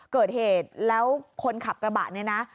เกิดเหตุแล้วคนขับกระบะเนี่ยนะ